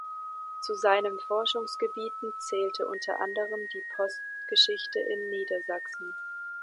Zu seinen Forschungsgebieten zählte unter anderem die Postgeschichte in Niedersachsen.